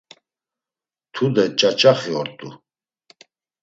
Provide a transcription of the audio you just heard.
Tude ç̌aç̌axi ort̆u.